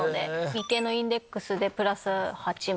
日経インデックスでプラス８万。